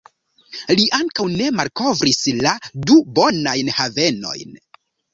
Li ankaŭ ne malkovris la du bonajn havenojn.